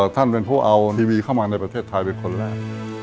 ท่านเป็นผู้เอาทีวีเข้ามาในประเทศไทยเป็นคนแรก